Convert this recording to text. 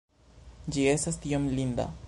Ĝi estas tiom linda!